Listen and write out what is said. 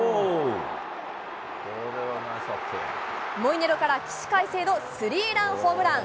モイネロから起死回生のスリーランホームラン。